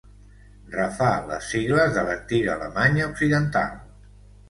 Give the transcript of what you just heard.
Refà les sigles de l'antiga Alemanya occidental.